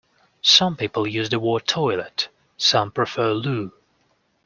Some people use the word toilet, some prefer loo